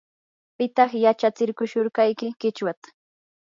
¿pitaq yachatsishurqayki qichwata?